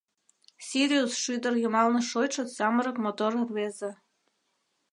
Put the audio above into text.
Сириус шӱдыр йымалне шочшо самырык мотор рвезе.